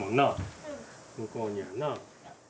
向こうにはな。